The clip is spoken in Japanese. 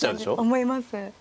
思います。